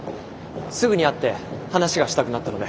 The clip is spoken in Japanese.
すぐに会って話がしたくなったので。